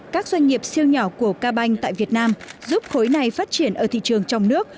các doanh nghiệp siêu nhỏ của ca banh tại việt nam giúp khối này phát triển ở thị trường trong nước